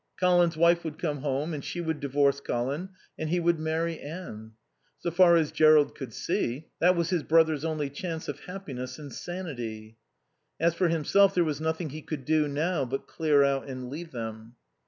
Colin's wife would come home and she would divorce Colin and he would marry Anne. So far as Jerrold could see, that was his brother's only chance of happiness and sanity. As for himself, there was nothing he could do now but clear out and leave them.